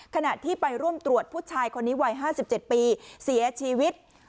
ขณะที่ไปร่วมตรวจผู้ชายคนนี้วัย๕๗ปีเสียชีวิต